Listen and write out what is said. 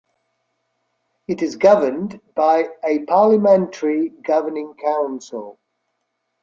It is governed by a parliamentary governing council.